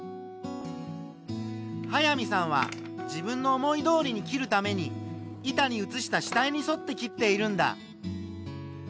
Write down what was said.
早見さんは自分の思いどおりに切るために板に写した下絵にそって切っているんだ。